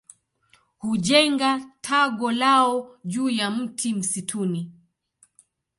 Hujenga tago lao juu ya mti msituni.